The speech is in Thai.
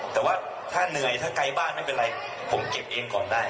แต่ว่าถ้าเหนื่อยถ้าไกลบ้านไม่เป็นไรผมเก็บเองก่อนได้